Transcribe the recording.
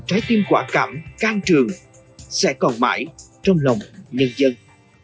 trái tim quả cảm trường sẽ còn mãi trong lòng nhân dân